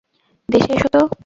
দেশে এসো তো।